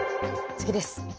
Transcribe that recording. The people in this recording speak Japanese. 次です。